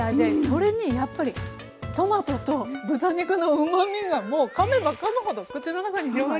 それにやっぱりトマトと豚肉のうまみがもうかめばかむほど口の中に広がりますね！